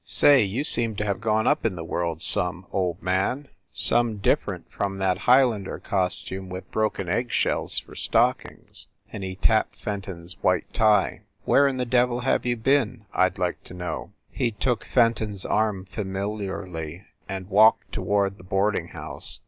Say, you seem to have gone up in the world some, old man ! Some different from that Highlander costume with broken eggshells for stockings!" And he tapped Fenton s white tie. "Where in the devil have you been, I d like to know?" He took Fenton s arm familiarly and walked toward the boarding house.